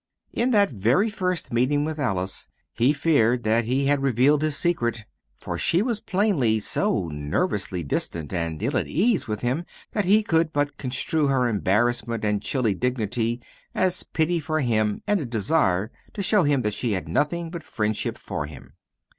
In that very first meeting with Alice, he feared that he had revealed his secret, for she was plainly so nervously distant and ill at ease with him that he could but construe her embarrassment and chilly dignity as pity for him and a desire to show him that she had nothing but friendship for him.